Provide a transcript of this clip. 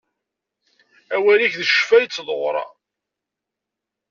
Awal-ik d ccfa yettḍur.